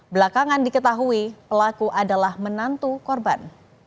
belakangan diketahui pelaku adalah menantu korban